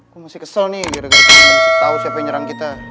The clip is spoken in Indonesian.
gue masih kesel nih gara gara kalian masih tau siapa yang nyerang kita